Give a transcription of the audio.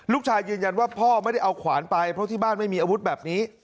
ยืนยันว่าพ่อไม่ได้เอาขวานไปเพราะที่บ้านไม่มีอาวุธแบบนี้